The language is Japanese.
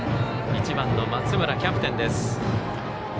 １番の松村、キャプテンです。